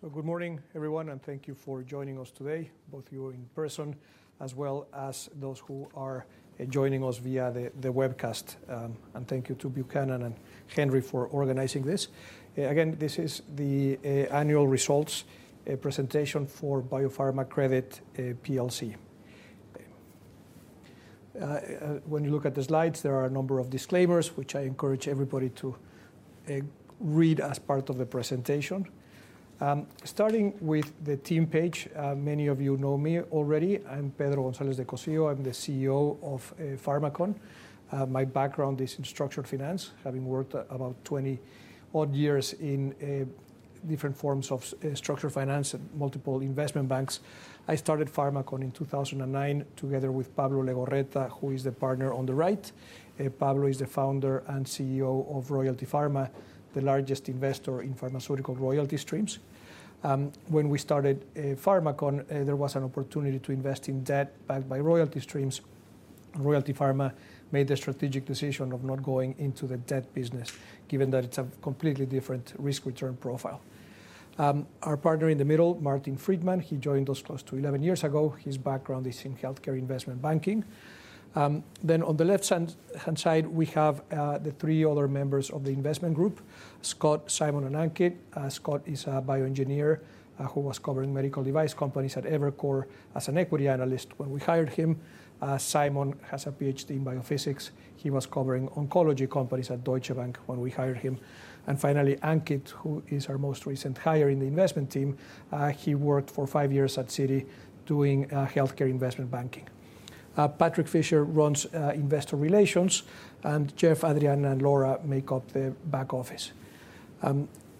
Good morning, everyone, and thank you for joining us today, both you in person as well as those who are joining us via the webcast. Thank you to Buchanan and Henry for organizing this. Again, this is the annual results presentation for BioPharma Credit PLC. When you look at the slides, there are a number of disclaimers, which I encourage everybody to read as part of the presentation. Starting with the team page, many of you know me already. I'm Pedro Gonzalez de Cosio. I'm the CEO of Pharmakon. My background is in structured finance, having worked about 20-odd years in different forms of structured finance at multiple investment banks. I started Pharmakon in 2009 together with Pablo Legorreta, who is the Partner on the right. Pablo is the Founder and CEO of Royalty Pharma, the largest investor in pharmaceutical royalty streams. When we started Pharmakon, there was an opportunity to invest in debt backed by royalty streams. Royalty Pharma made the strategic decision of not going into the debt business, given that it's a completely different risk-return profile. Our partner in the middle, Martin Friedman, he joined us close to 11 years ago. His background is in healthcare investment banking. On the left hand side, we have the three other members of the investment group, Scott, Simon, and Ankit. Scott is a Bioengineer, who was covering medical device companies at Evercore as an Equity Analyst when we hired him. Simon has a PhD in biophysics. He was covering oncology companies at Deutsche Bank when we hired him. Finally, Ankit, who is our most recent hire in the investment team, he worked for five years at Citi doing Healthcare Investment Banking. Patrick Fisher runs Investor Relations, and Jeff, Adriana, and Laura make up the back office.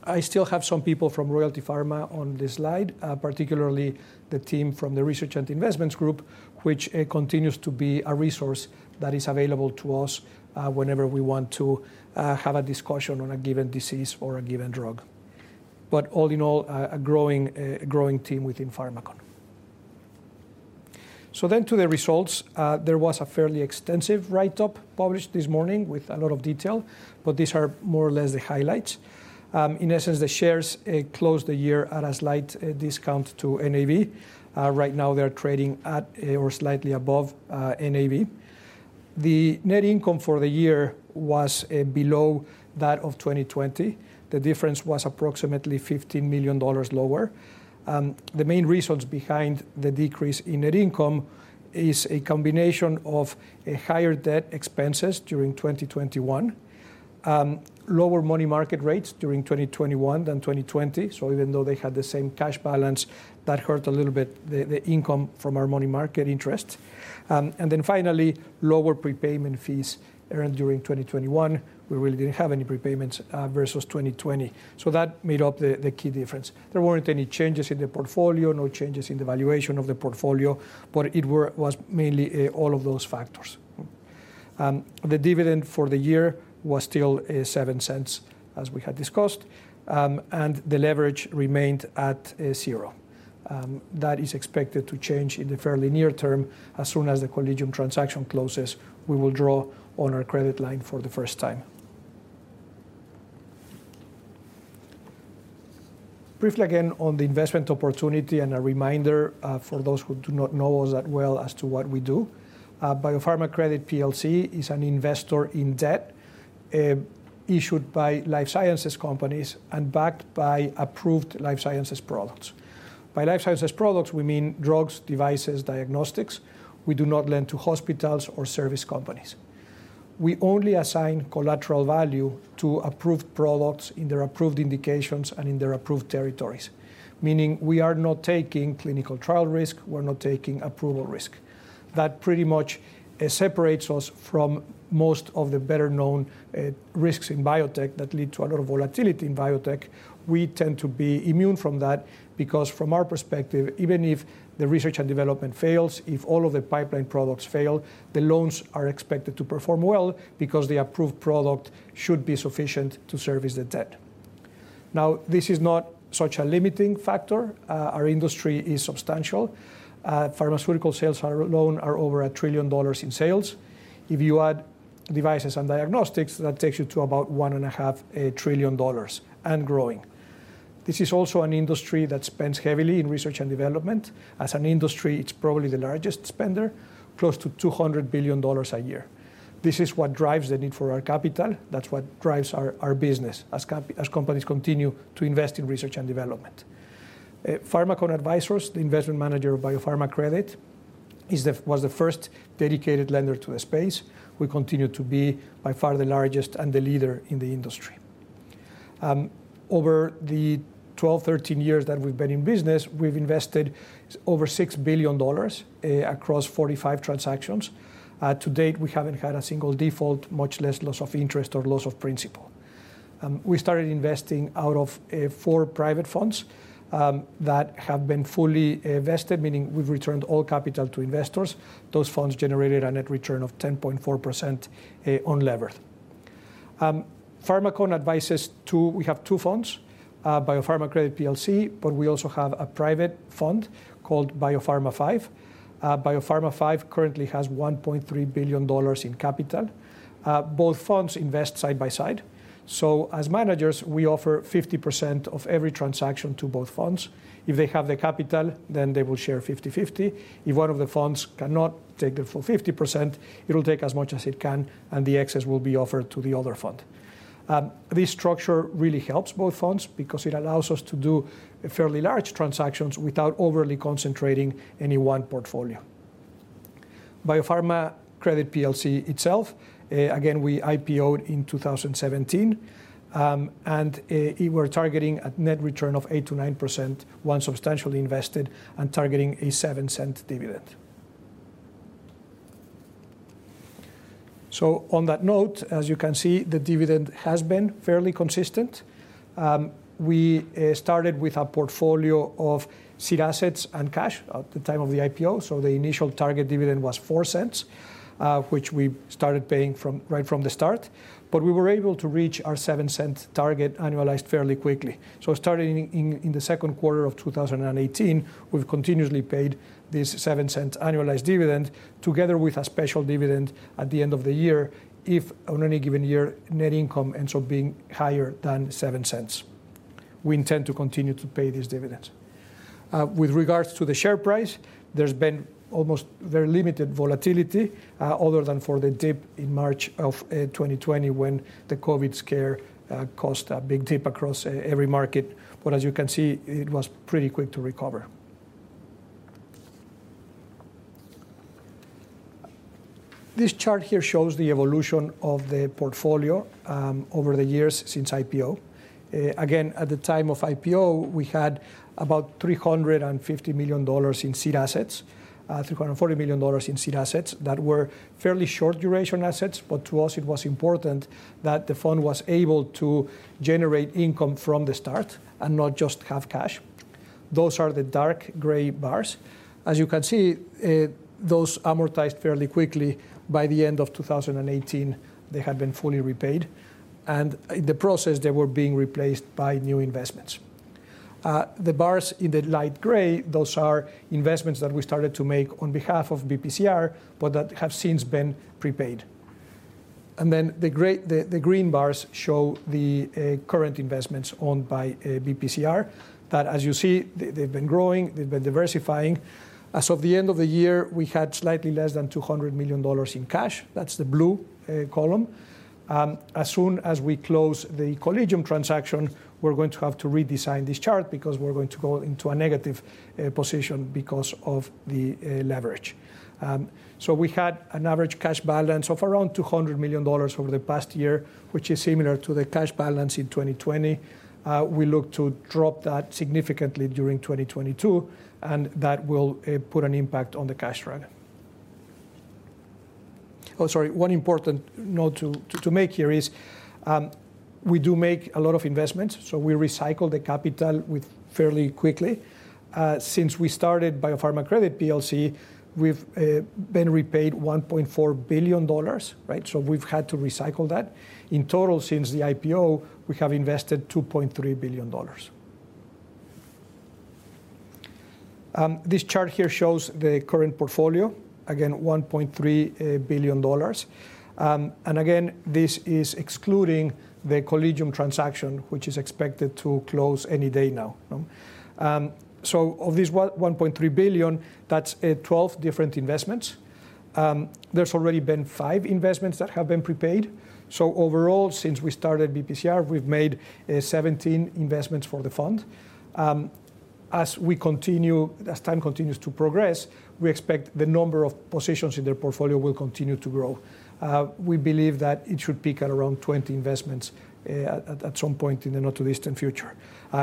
I still have some people from Royalty Pharma on this slide, particularly the team from the research and investments group, which continues to be a resource that is available to us whenever we want to have a discussion on a given disease or a given drug. All in all, a growing team within Pharmakon. To the results. There was a fairly extensive write-up published this morning with a lot of detail, but these are more or less the highlights. In essence, the shares closed the year at a slight discount to NAV. Right now they're trading at or slightly above NAV. The net income for the year was below that of 2020. The difference was approximately $50 million lower. The main reasons behind the decrease in net income is a combination of higher debt expenses during 2021, lower money market rates during 2021 than 2020. Even though they had the same cash balance, that hurt a little bit the income from our money market interest. Finally, lower prepayment fees earned during 2021. We really didn't have any prepayments versus 2020. That made up the key difference. There weren't any changes in the portfolio, no changes in the valuation of the portfolio, but it was mainly all of those factors. The dividend for the year was still $0.07, as we had discussed. The leverage remained at zero. That is expected to change in the fairly near term. As soon as the Collegium transaction closes, we will draw on our credit line for the first time. Briefly again on the investment opportunity and a reminder for those who do not know us that well as to what we do. BioPharma Credit PLC is an investor in debt issued by Life Sciences companies and backed by approved Life Sciences products. By life sciences products, we mean drugs, devices, diagnostics. We do not lend to hospitals or service companies. We only assign collateral value to approved products in their approved indications and in their approved territories, meaning we are not taking clinical trial risk, we're not taking approval risk. That pretty much separates us from most of the better-known risks in biotech that lead to a lot of volatility in biotech. We tend to be immune from that because from our perspective, even if the research and development fails, if all of the pipeline products fail, the loans are expected to perform well because the approved product should be sufficient to service the debt. This is not such a limiting factor. Our industry is substantial. Pharmaceutical sales alone are over $1 trillion in sales. If you add devices and diagnostics, that takes you to about $1.5 trillion and growing. This is also an industry that spends heavily in research and development. As an industry, it's probably the largest spender, close to $200 billion a year. This is what drives the need for our capital. That's what drives our business as companies continue to invest in research and development. Pharmakon Advisors, the investment manager of BioPharma Credit, was the first dedicated lender to the space. We continue to be by far the largest and the leader in the industry. Over the 12, 13 years that we've been in business, we've invested over $6 billion across 45 transactions. To date, we haven't had a single default, much less loss of interest or loss of principal. We started investing out of four private funds that have been fully vested, meaning we've returned all capital to investors. Those funds generated a net return of 10.4% unlevered. Pharmakon advises two, we have two funds, BioPharma Credit PLC, but we also have a private fund called BioPharma V. BioPharma V currently has $1.3 billion in capital. Both funds invest side by side. As managers, we offer 50% of every transaction to both funds. If they have the capital, then they will share 50/50. If one of the funds cannot take the full 50%, it'll take as much as it can, and the excess will be offered to the other fund. This structure really helps both funds because it allows us to do fairly large transactions without overly concentrating any one portfolio. BioPharma Credit PLC itself, again, we IPO'd in 2017, and we're targeting a net return of 8%-9% once substantially invested and targeting a $0.07 dividend. On that note, as you can see, the dividend has been fairly consistent. We started with a portfolio of seed assets and cash at the time of the IPO. The initial target dividend was $0.04, which we started paying right from the start. We were able to reach our $0.07 target annualized fairly quickly. Starting in the second quarter of 2018, we've continuously paid this $0.07 annualized dividend together with a special dividend at the end of the year if on any given year net income ends up being higher than $0.07. We intend to continue to pay this dividend. With regards to the share price, there's been almost very limited volatility, other than for the dip in March of 2020 when the COVID scare caused a big dip across every market. As you can see, it was pretty quick to recover. This chart here shows the evolution of the portfolio over the years since IPO. Again, at the time of IPO, we had about $350 million in seed assets, $340 million in seed assets that were fairly short duration assets. To us, it was important that the fund was able to generate income from the start and not just have cash. Those are the dark gray bars. As you can see, those amortized fairly quickly. By the end of 2018, they had been fully repaid. In the process, they were being replaced by new investments. The bars in the light gray, those are investments that we started to make on behalf of BPCR, but that have since been prepaid. Then the green bars show the current investments owned by BPCR, that as you see, they've been growing, they've been diversifying. As of the end of the year, we had slightly less than $200 million in cash. That's the blue column. As soon as we close the Collegium transaction, we're going to have to redesign this chart because we're going to go into a negative position because of the leverage. We had an average cash balance of around $200 million over the past year, which is similar to the cash balance in 2020. We look to drop that significantly during 2022, and that will put an impact on the cash run. Oh, sorry. One important note to make here is we do make a lot of investments, we recycle the capital with fairly quickly. Since we started BioPharma Credit PLC, we've been repaid $1.4 billion, right? We've had to recycle that. In total, since the IPO, we have invested $2.3 billion. This chart here shows the current portfolio, again, $1.3 billion. Again, this is excluding the Collegium transaction, which is expected to close any day now. Of this $1.3 billion, that's 12 different investments. There's already been five investments that have been prepaid. Overall, since we started BPCR, we've made 17 investments for the fund. As time continues to progress, we expect the number of positions in the portfolio will continue to grow. We believe that it should peak at around 20 investments at some point in the not too distant future.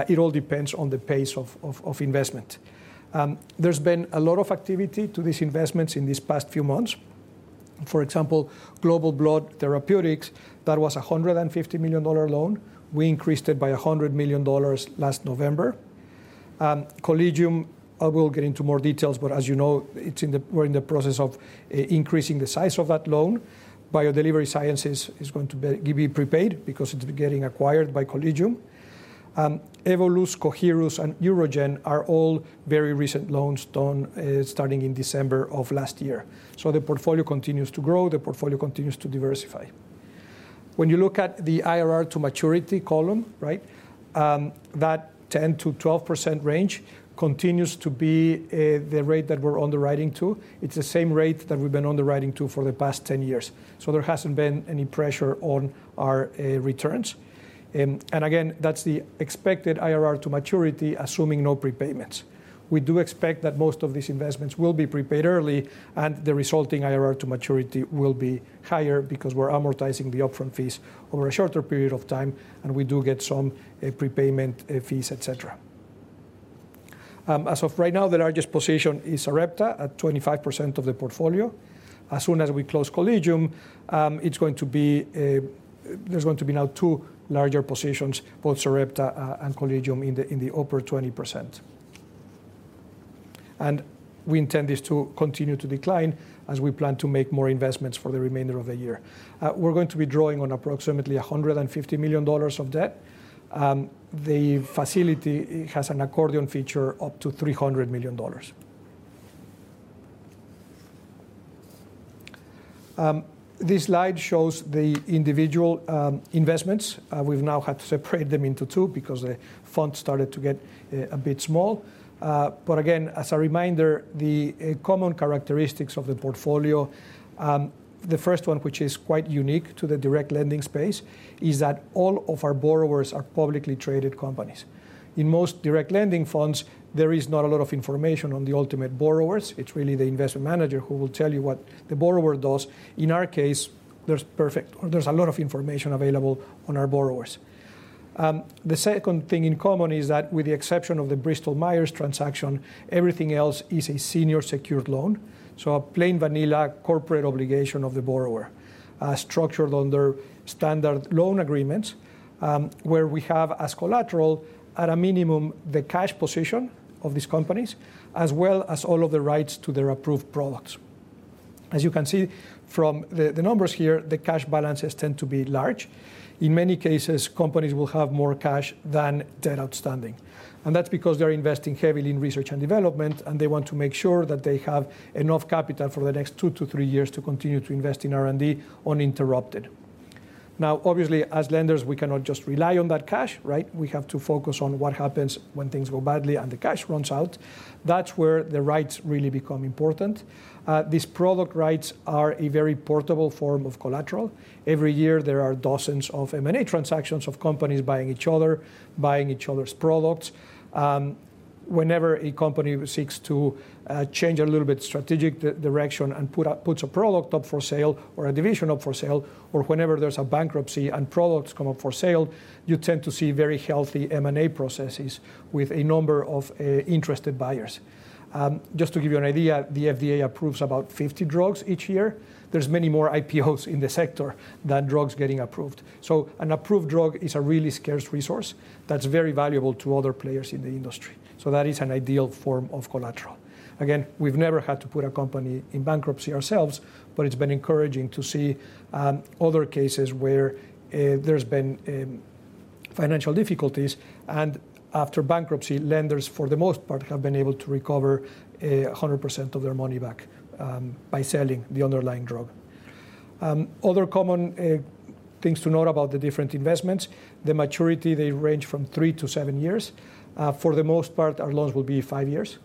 It all depends on the pace of investment. There's been a lot of activity to these investments in these past few months. For example, Global Blood Therapeutics, that was a $150 million loan. We increased it by $100 million last November. Collegium, I will get into more details, but as you know, we're in the process of increasing the size of that loan. BioDelivery Sciences is going to be prepaid because it's getting acquired by Collegium. Evolus, Coherus, and UroGen are all very recent loans done, starting in December of last year. The portfolio continues to grow, the portfolio continues to diversify. When you look at the IRR to maturity column, right, that 10%-12% range continues to be the rate that we're underwriting to. It's the same rate that we've been underwriting to for the past 10 years. There hasn't been any pressure on our returns. And again, that's the expected IRR to maturity, assuming no prepayments. We do expect that most of these investments will be prepaid early, and the resulting IRR to maturity will be higher because we're amortizing the upfront fees over a shorter period of time, and we do get some prepayment fees, et cetera. As of right now, the largest position is Sarepta at 25% of the portfolio. As soon as we close Collegium, there's going to be now two larger positions, both Sarepta and Collegium in the, in the upper 20%. We intend this to continue to decline as we plan to make more investments for the remainder of the year. We're going to be drawing on approximately $150 million of debt. The facility has an accordion feature up to $300 million. This slide shows the individual investments. We've now had to separate them into two because the font started to get a bit small. Again, as a reminder, the common characteristics of the portfolio, the first one, which is quite unique to the direct lending space, is that all of our borrowers are publicly traded companies. In most direct lending funds, there is not a lot of information on the ultimate borrowers. It's really the investment manager who will tell you what the borrower does. In our case, there's a lot of information available on our borrowers. The second thing in common is that with the exception of the Bristol Myers transaction, everything else is a senior secured loan, so a plain vanilla corporate obligation of the borrower, structured under standard loan agreements, where we have as collateral at a minimum the cash position of these companies as well as all of the rights to their approved products. As you can see from the numbers here, the cash balances tend to be large. In many cases, companies will have more cash than debt outstanding. That's because they're investing heavily in research and development. They want to make sure that they have enough capital for the next two to three years to continue to invest in R&D uninterrupted. Obviously, as lenders, we cannot just rely on that cash, right? We have to focus on what happens when things go badly and the cash runs out. That's where the rights really become important. These product rights are a very portable form of collateral. Every year, there are dozens of M&A transactions of companies buying each other, buying each other's products. Whenever a company seeks to change a little bit strategic direction and puts a product up for sale or a division up for sale or whenever there's a bankruptcy and products come up for sale, you tend to see very healthy M&A processes with a number of interested buyers. Just to give you an idea, the FDA approves about 50 drugs each year. There's many more IPOs in the sector than drugs getting approved. An approved drug is a really scarce resource that's very valuable to other players in the industry. That is an ideal form of collateral. Again, we've never had to put a company in bankruptcy ourselves, but it's been encouraging to see, other cases where, there's been, financial difficulties and after bankruptcy, lenders for the most part have been able to recover, 100% of their money back, by selling the underlying drug. Other common, things to note about the different investments, the maturity, they range from 3 years-7 years. For the most part, our loans will be 5 years.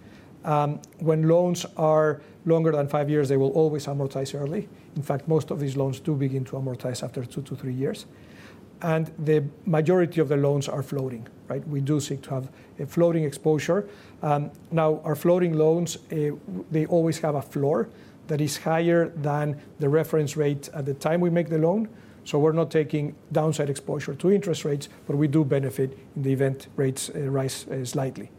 When loans are longer than 5 years, they will always amortize early. In fact, most of these loans do begin to amortize after 2 years-3 years. The majority of the loans are floating, right? We do seek to have a floating exposure. Now our floating loans, they always have a floor that is higher than the reference rate at the time we make the loan. We're not taking downside exposure to interest rates, but we do benefit in the event rates, rise, slightly.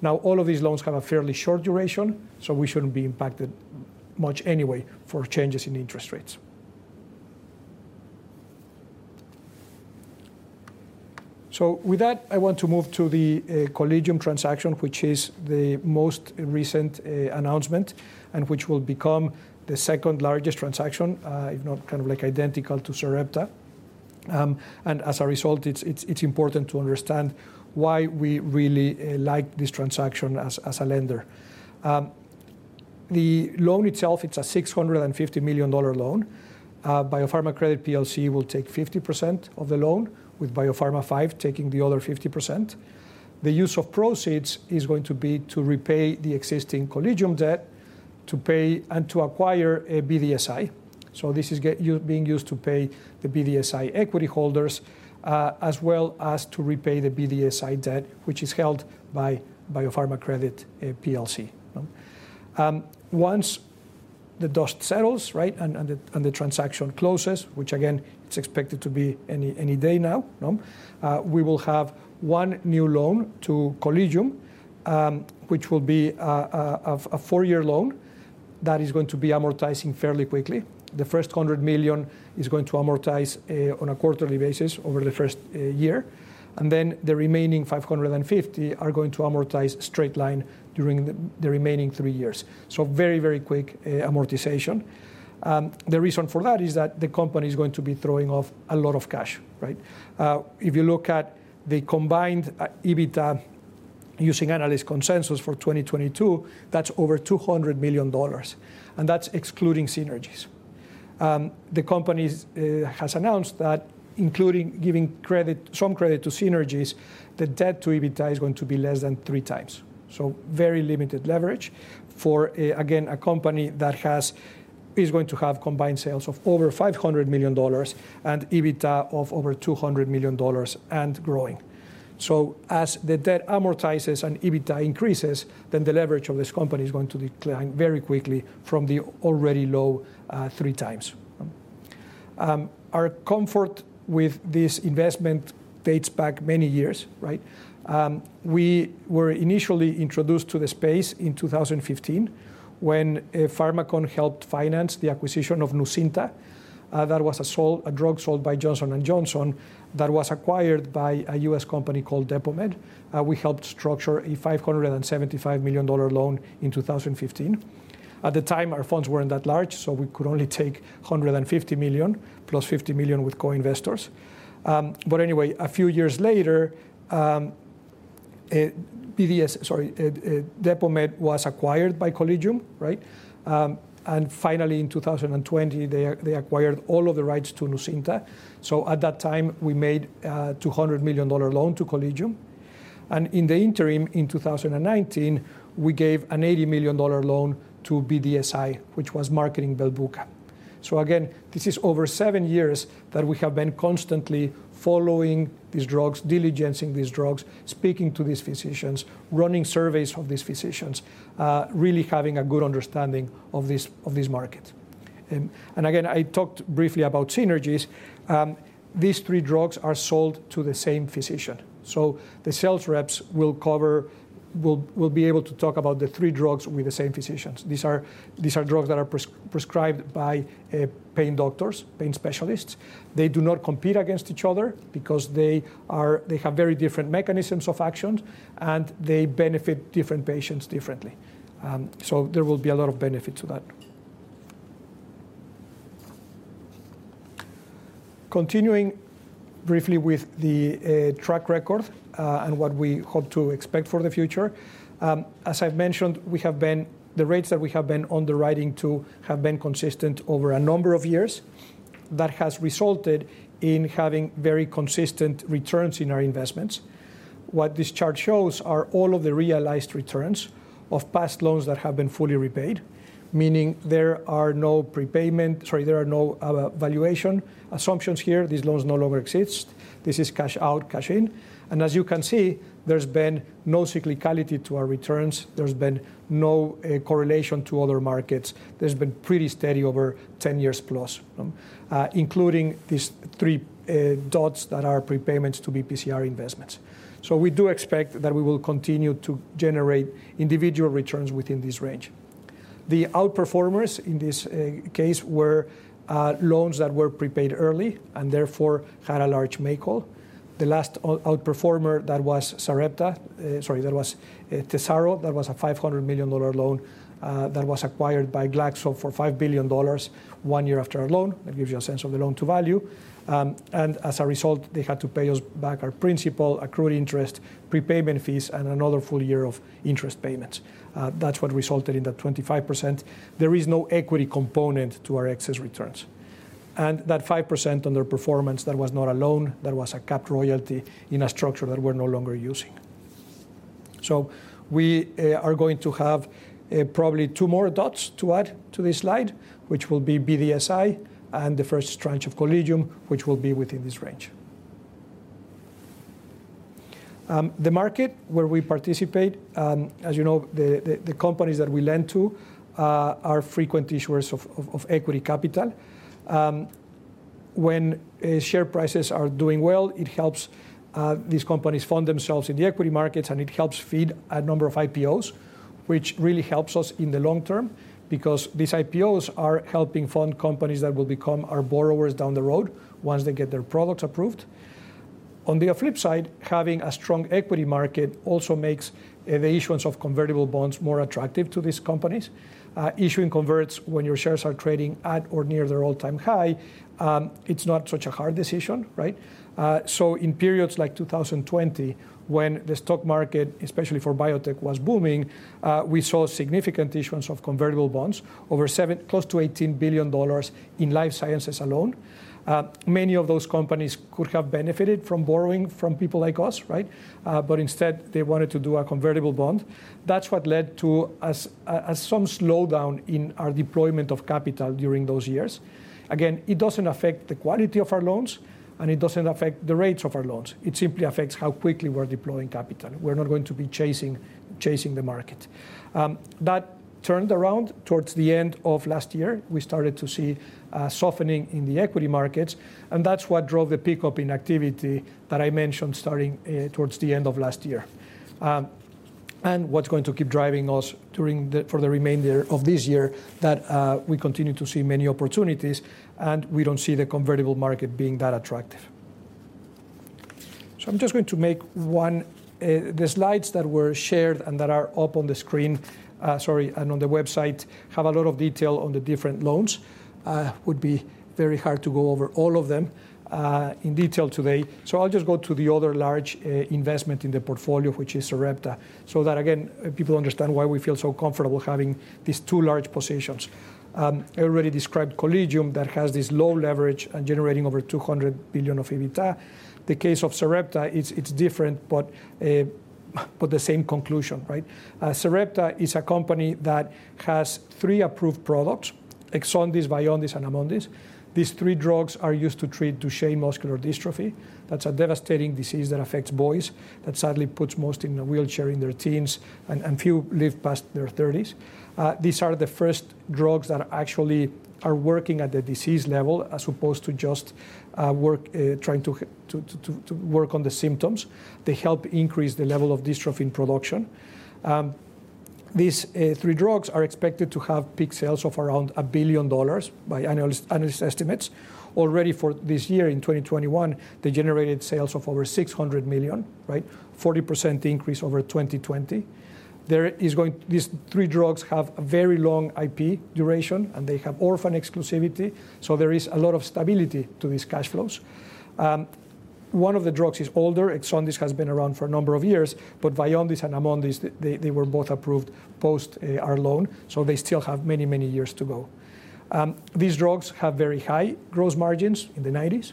Now, all of these loans have a fairly short duration, we shouldn't be impacted much anyway for changes in interest rates. With that, I want to move to the Collegium transaction, which is the most recent announcement and which will become the second-largest transaction, if not kind of like identical to Sarepta. As a result, it's important to understand why we really like this transaction as a lender. The loan itself, it's a $650 million loan. BioPharma Credit PLC will take 50% of the loan with BioPharma V taking the other 50%. The use of proceeds is going to be to repay the existing Collegium debt to pay and to acquire a BDSI. This is being used to pay the BDSI equity holders, as well as to repay the BDSI debt, which is held by BioPharma Credit PLC. Once the dust settles, and the transaction closes, which again is expected to be any day now, we will have one new loan to Collegium, which will be a 4-year loan that is going to be amortizing fairly quickly. The first $100 million is going to amortize on a quarterly basis over the first year, and then the remaining $550 are going to amortize straight line during the remaining three years. Very quick amortization. The reason for that is that the company is going to be throwing off a lot of cash, right? If you look at the combined EBITDA using analyst consensus for 2022, that's over $200 million, and that's excluding synergies. The company's has announced that including giving some credit to synergies, the debt to EBITDA is going to be less than 3x. Very limited leverage for again, a company that is going to have combined sales of over $500 million and EBITDA of over $200 million and growing. As the debt amortizes and EBITDA increases, then the leverage of this company is going to decline very quickly from the already low, 3x. Our comfort with this investment dates back many years, right? We were initially introduced to the space in 2015 when Pharmakon helped finance the acquisition of Nucynta. That was a drug sold by Johnson & Johnson that was acquired by a U.S. company called Depomed. We helped structure a $575 million loan in 2015. At the time, our funds weren't that large, so we could only take $150 million, +$50 million with co-investors. But anyway, a few years later, Depomed was acquired by Collegium, right? Finally in 2020, they acquired all of the rights to Nucynta. At that time, we made a $200 million loan to Collegium. In the interim, in 2019, we gave an $80 million loan to BDSI, which was marketing Belbuca. Again, this is over 7 years that we have been constantly following these drugs, diligencing these drugs, speaking to these physicians, running surveys of these physicians, really having a good understanding of this, of this market. Again, I talked briefly about synergies. These three drugs are sold to the same physician, so the sales reps will be able to talk about the three drugs with the same physicians. These are drugs that are prescribed by pain doctors, pain specialists. They do not compete against each other because they have very different mechanisms of action, and they benefit different patients differently. There will be a lot of benefit to that. Continuing briefly with the track record, and what we hope to expect for the future. As I've mentioned, the rates that we have been underwriting to have been consistent over a number of years. That has resulted in having very consistent returns in our investments. What this chart shows are all of the realized returns of past loans that have been fully repaid, meaning there are no there are no valuation assumptions here. These loans no longer exist. This is cash out, cash in. As you can see, there's been no cyclicality to our returns. There's been no correlation to other markets. There's been pretty steady over 10 years+, including these three dots that are prepayments to BPCR investments. We do expect that we will continue to generate individual returns within this range. The out-performers in this case were loans that were prepaid early and therefore had a large make-whole. The last outperformer, that was Sarepta. Sorry, that was TESARO. That was a $500 million loan that was acquired by Glaxo for $5 billion one year after our loan. That gives you a sense of the loan to value. As a result, they had to pay us back our principal, accrued interest, prepayment fees, and another full year of interest payments. That's what resulted in that 25%. There is no equity component to our excess returns. That 5% underperformance, that was not a loan. That was a capped royalty in a structure that we're no longer using. We are going to have probably two more dots to add to this slide, which will be BDSI and the first tranche of Collegium, which will be within this range. The market where we participate, as you know, the companies that we lend to are frequent issuers of equity capital. When share prices are doing well, it helps these companies fund themselves in the equity markets, and it helps feed a number of IPOs, which really helps us in the long-term because these IPOs are helping fund companies that will become our borrowers down the road once they get their products approved. On the flip side, having a strong equity market also makes the issuance of convertible bonds more attractive to these companies. Issuing converts when your shares are trading at or near their all-time high, it's not such a hard decision, right? In periods like 2020, when the stock market, especially for biotech, was booming, we saw significant issuance of convertible bonds, close to $18 billion in Life Sciences alone. Many of those companies could have benefited from borrowing from people like us, right? Instead, they wanted to do a convertible bond. That's what led to a some slowdown in our deployment of capital during those years. Again, it doesn't affect the quality of our loans, and it doesn't affect the rates of our loans. It simply affects how quickly we're deploying capital. We're not going to be chasing the market. That turned around towards the end of last year. We started to see a softening in the equity markets, and that's what drove the pickup in activity that I mentioned starting towards the end of last year. What's going to keep driving us for the remainder of this year that we continue to see many opportunities, and we don't see the convertible market being that attractive. I'm just going to make one. The slides that were shared and that are up on the screen, sorry, and on the website, have a lot of detail on the different loans. Would be very hard to go over all of them in detail today. I'll just go to the other large investment in the portfolio, which is Sarepta, so that, again, people understand why we feel so comfortable having these two large positions. I already described Collegium that has this low leverage and generating over $200 billion of EBITDA. The case of Sarepta, it's different but the same conclusion, right? Sarepta is a company that has three approved products. Exondys, Vyondys, and Amondys. These three drugs are used to treat Duchenne muscular dystrophy. That's a devastating disease that affects boys, that sadly puts most in a wheelchair in their teens and few live past their thirties. These are the first drugs that are actually working at the disease level as opposed to just trying to work on the symptoms. They help increase the level of dystrophin production. These three drugs are expected to have peak sales of around $1 billion by analyst estimates. Already for this year in 2021, they generated sales of over $600 million, right? 40% increase over 2020. These three drugs have a very long IP duration, and they have orphan exclusivity, so there is a lot of stability to these cash flows. One of the drugs is older. Exondys has been around for a number of years. Vyondys and Amondys, they were both approved post our loan, so they still have many, many years to go. These drugs have very high gross margins in the 90s,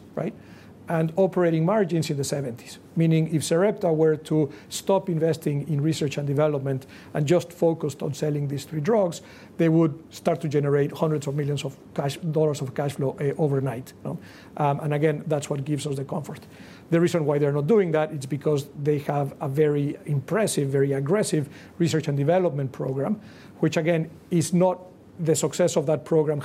right? Operating margins in the 70s. Meaning if Sarepta were to stop investing in research and development and just focused on selling these three drugs, they would start to generate hundreds of millions of dollars of cash, dollars of cash flow, overnight, you know. Again, that's what gives us the comfort. The reason why they're not doing that is because they have a very impressive, very aggressive research and development program, which again is not the success of that program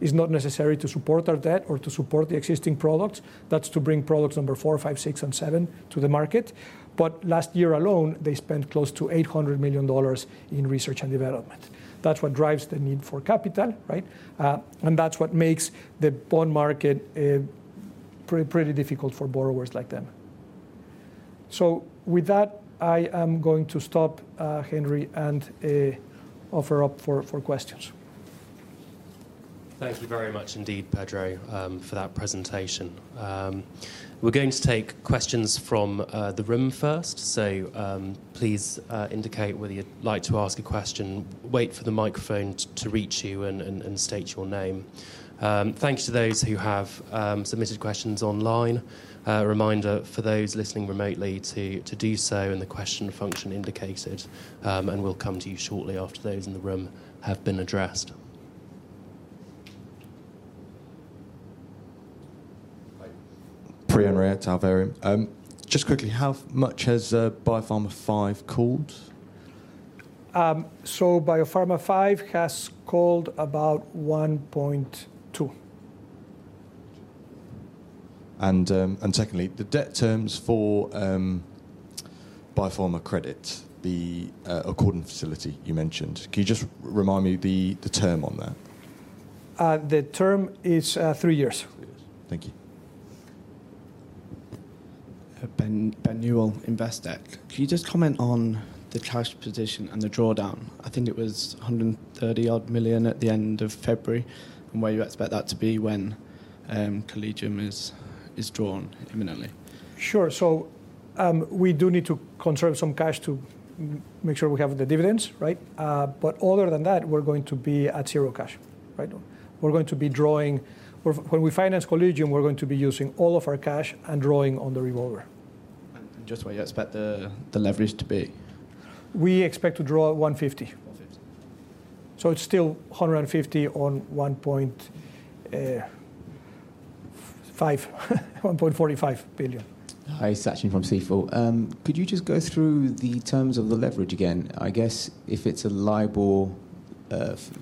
is not necessary to support our debt or to support the existing products. That's to bring products number four, five, six, and seven to the market. Last year alone, they spent close to $800 million in research and development. That's what drives the need for capital, right? That's what makes the bond market, pretty difficult for borrowers like them. With that, I am going to stop, Henry, and offer up for questions. Thank you very much indeed, Pedro, for that presentation. We're going to take questions from the room first. Please indicate whether you'd like to ask a question, wait for the microphone to reach you and state your name. Thanks to those who have submitted questions online. Reminder for those listening remotely to do so in the question function indicated, and we'll come to you shortly after those in the room have been addressed. Hi. Priyan Rayatt, Berium. Just quickly, how much has BioPharma V called? BioPharma V has called about $1.2. Secondly, the debt terms for BioPharma Credit, the accordion facility you mentioned. Can you just remind me the term on that? The term is three years. three years. Thank you. Can you just comment on the cash position and the drawdown? I think it was $130 million odd at the end of February, and where you expect that to be when Collegium is drawn imminently. Sure. We do need to conserve some cash to make sure we have the dividends, right? Other than that, we're going to be at zero cash, right? We're going to be drawing... When we finance Collegium, we're going to be using all of our cash and drawing on the revolver. just where you expect the leverage to be? We expect to draw $150. $150. It's still $150 on $1.5, $1.45 billion. Hi, Sachin from Stifel. Could you just go through the terms of the leverage again? I guess if it's a LIBOR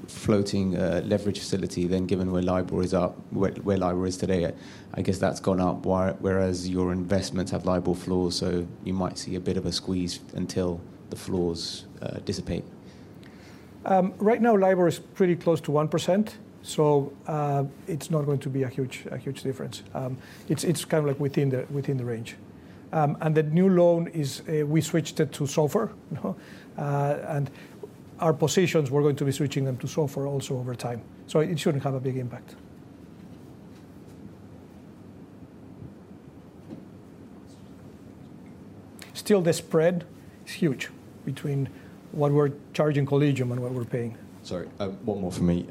floating leverage facility, given where LIBOR is up, where LIBOR is today, I guess that's gone up, whereas your investments have LIBOR floors, so you might see a bit of a squeeze until the floors dissipate. Right now LIBOR is pretty close to 1%, so it's not going to be a huge, a huge difference. It's kind of like within the range. The new loan is, we switched it to SOFR, you know. Our positions we're going to be switching them to SOFR also over time. It shouldn't have a big impact. Still the spread is huge between what we're charging Collegium and what we're paying. Sorry, one more from me.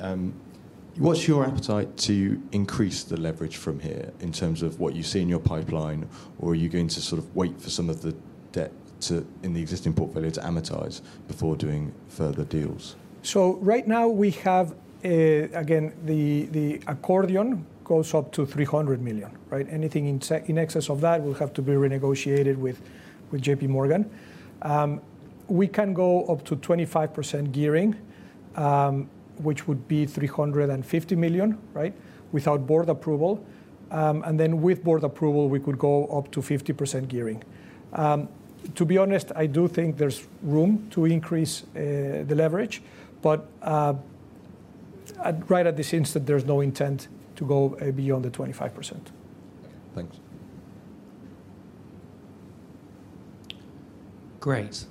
What's your appetite to increase the leverage from here in terms of what you see in your pipeline, or are you going to sort of wait for some of the debt to, in the existing portfolio to amortize before doing further deals? Right now we have, again, the accordion goes up to $300 million, right? Anything in excess of that will have to be renegotiated with JPMorgan. We can go up to 25% gearing, which would be $350 million, right? Without board approval. With board approval, we could go up to 50% gearing. To be honest, I do think there's room to increase the leverage. Right at this instant, there's no intent to go beyond the 25%. Thanks. Great.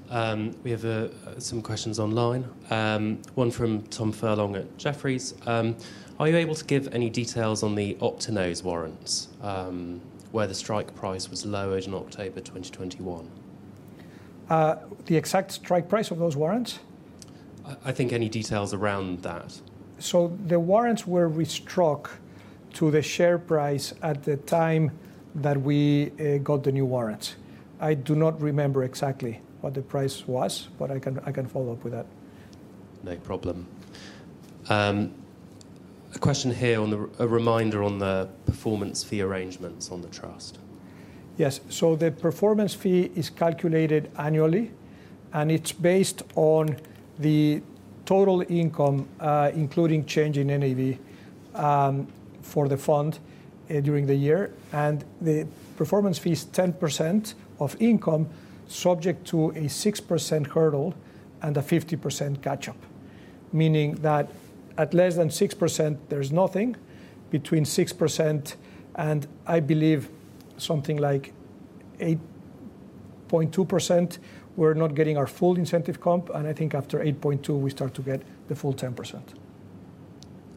We have some questions online. One from Tom Furlong at Jefferies. Are you able to give any details on the open offer warrants, where the strike price was lowered in October 2021? The exact strike price of those warrants? I think any details around that. The warrants were restruck to the share price at the time that we got the new warrants. I do not remember exactly what the price was, but I can follow up with that. No problem. A question here a reminder on the performance fee arrangements on the trust. Yes. The performance fee is calculated annually, and it's based on the total income, including change in NAV, for the fund, during the year. The performance fee's 10% of income, subject to a 6% hurdle and a 50% catch-up, meaning that at less than 6% there's nothing. Between 6% and, I believe something like 8.2%, we're not getting our full incentive comp. I think after 8.2% we start to get the full 10%.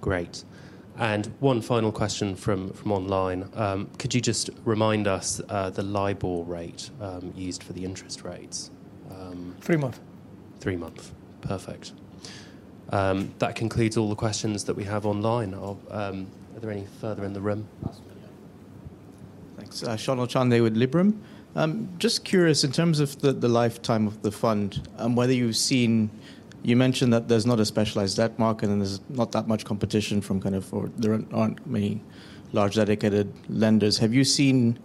Great. One final question from online. Could you just remind us, the LIBOR rate, used for the interest rates? Three-month. Three-month. Perfect. That concludes all the questions that we have online. Are there any further in the room? Thanks. Shonil Chande with Liberum. Just curious in terms of the lifetime of the fund and whether you've seen. You mentioned that there's not a specialized debt market, and there's not that much competition from or there aren't many large dedicated lenders. Have you seen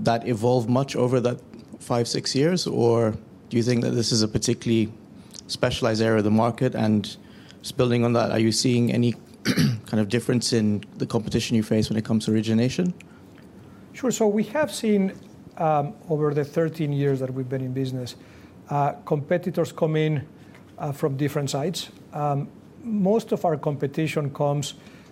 that evolve much over that five, six years? Or do you think that this is a particularly specialized area of the market? Just building on that, are you seeing any kind of difference in the competition you face when it comes to origination? Sure. We have seen, over the 13 years that we've been in business, competitors come in from different sides. Most of our competition.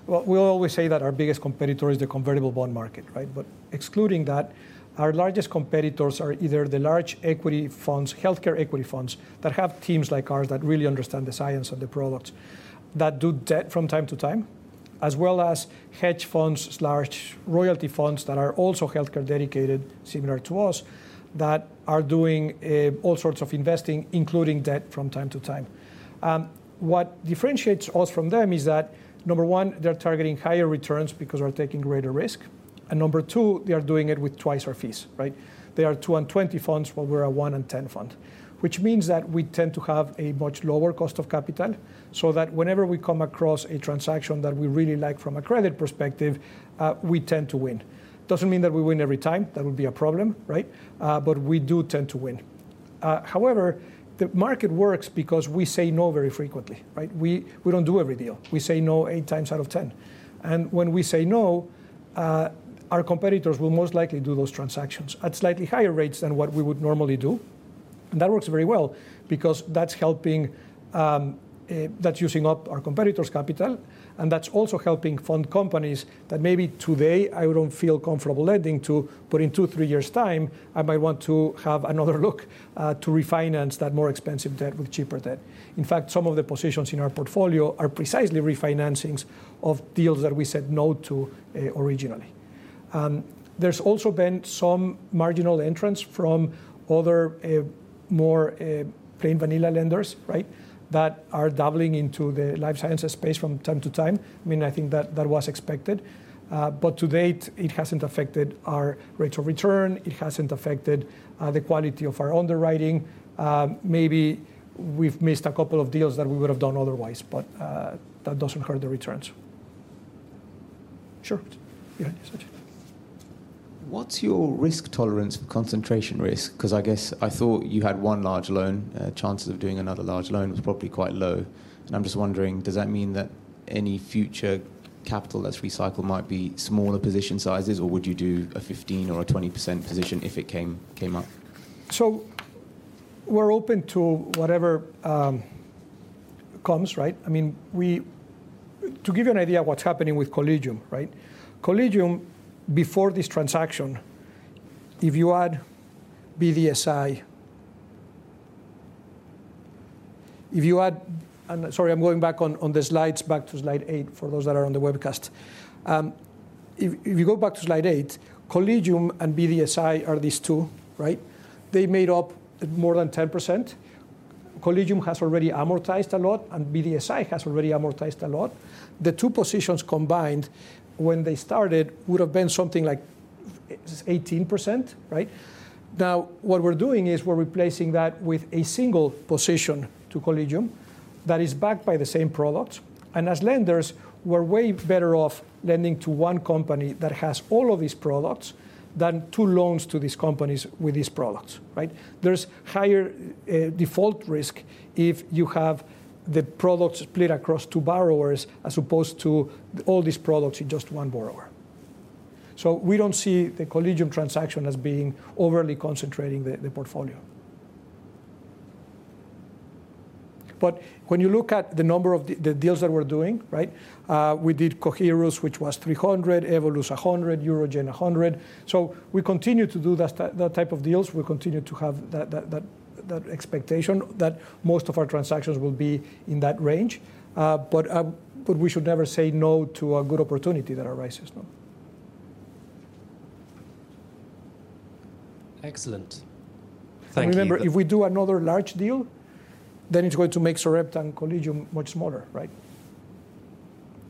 Well, we always say that our biggest competitor is the convertible bond market, right? Excluding that, our largest competitors are either the large equity funds, healthcare equity funds that have teams like ours that really understand the science of the products that do debt from time to time, as well as hedge funds, large royalty funds that are also healthcare dedicated, similar to us, that are doing all sorts of investing, including debt from time to time. What differentiates us from them is that, number 1, they're targeting higher returns because they're taking greater risk. Number 2, they are doing it with twice our fees, right? They are 2 on 20 funds, while we're a 1 on 10 fund, which means that we tend to have a much lower cost of capital, so that whenever we come across a transaction that we really like from a credit perspective, we tend to win. Doesn't mean that we win every time. That would be a problem, right? But we do tend to win. However, the market works because we say no very frequently, right? We, we don't do every deal. We say no 8x out of 10. When we say no, our competitors will most likely do those transactions at slightly higher rates than what we would normally do. That works very well because that's helping, that's using up our competitors' capital, and that's also helping fund companies that maybe today I don't feel comfortable lending to, but in 2, 3 years' time, I might want to have another look to refinance that more expensive debt with cheaper debt. In fact, some of the positions in our portfolio are precisely refinancings of deals that we said no to originally. There's also been some marginal entrants from other, more plain vanilla lenders, right, that are dabbling into the Life Sciences space from time to time. I mean, I think that was expected. To date, it hasn't affected our rates of return. It hasn't affected the quality of our underwriting. Maybe we've missed a couple of deals that we would have done otherwise, but that doesn't hurt the returns. Sure. Yeah, Sajid. What's your risk tolerance for concentration risk? 'Cause I guess I thought you had one large loan. Chances of doing another large loan was probably quite low. I'm just wondering, does that mean that any future capital that's recycled might be smaller position sizes, or would you do a 15% or a 20% position if it came up? We're open to whatever comes, right. I mean, we to give you an idea of what's happening with Collegium, right. Collegium, before this transaction, if you add BDSI. I'm sorry, I'm going back on the slides, back to Slide 8 for those that are on the webcast. If you go back to Slide 8, Collegium and BDSI are these two, right. They made up more than 10%. Collegium has already amortized a lot, and BDSI has already amortized a lot. The two positions combined, when they started, would have been something like 18%, right. What we're doing is we're replacing that with a single position to Collegium that is backed by the same products. As lenders, we're way better off lending to one company that has all of these products than two loans to these companies with these products, right? There's higher default risk if you have the products split across two borrowers as opposed to all these products in just one borrower. When you look at the number of the deals that we're doing, right? We did Coherus, which was $300, Evolus $100, UroGen $100. We continue to do that type of deals. We continue to have that expectation that most of our transactions will be in that range. We should never say no to a good opportunity that arises. No. Excellent. Thank you. If we do another large deal, then it's going to make Sarepta and Collegium much smaller, right,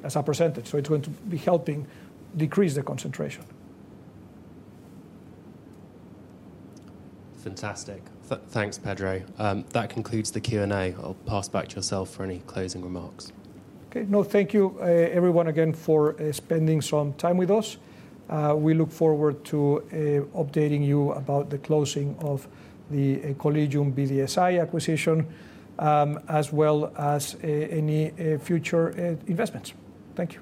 as a percentage. It's going to be helping decrease the concentration. Fantastic. Thanks, Pedro. That concludes the Q&A. I'll pass back to yourself for any closing remarks. Okay. No, thank you, everyone again for spending some time with us. We look forward to updating you about the closing of the Collegium BDSI acquisition, as well as any future investments. Thank you.